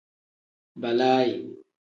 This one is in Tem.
Balaayi.